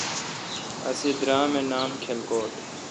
اسے درام اے° نام کلکوٹ۔